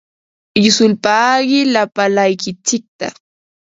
Yusulpaaqi lapalaykitsikta.